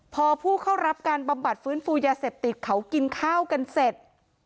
พอผู้เข้ารับการบำบัดฟื้นฟูยาเสพติดเขากินข้าวกันเสร็จ